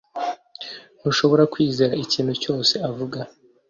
Ntushobora kwizera ikintu cyose avuga